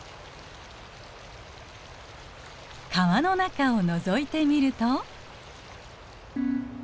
川の中をのぞいてみると。